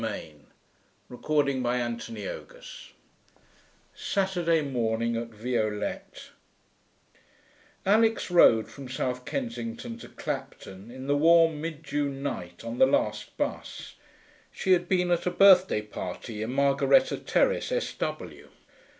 PART II VIOLETTE CHAPTER IV SATURDAY MORNING AT VIOLETTE 1 Alix rode from South Kensington to Clapton in the warm mid June night on the last bus. She had been at a birthday party in Margaretta Terrace, S.W.